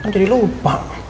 kan jadi lu lupa